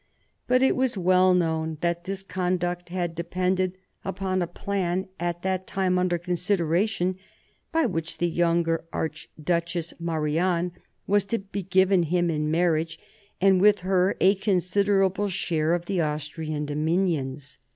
But it was well known that this conduct had depended Upon a plan at that 1740 43 WAR OF SUCCESSION 7 time under consideration, by which the younger Arch duchess Marianne was to be given him in marriage, and with her a considerable share of the Austrian dominions.